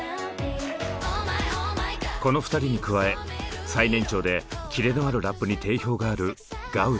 この２人に加え最年長でキレのあるラップに定評があるガウル。